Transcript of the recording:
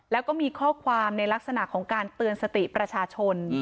แล้วก็มีข้อความในลักษณะของการเตือนสติประชาชน